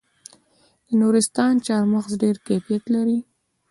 د نورستان چهارمغز ډیر کیفیت لري.